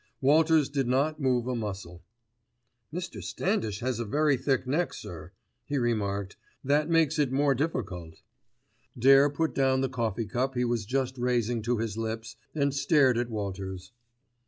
Walters did not move a muscle. "Mr. Standish has a very thick neck, sir," he remarked, "that makes it more difficult." Dare put down the coffee cup he was just raising to his lips and stared at Walters.